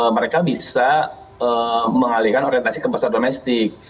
mereka bisa mengalihkan orientasi ke pasar domestik